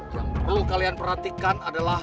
yang perlu kalian perhatikan adalah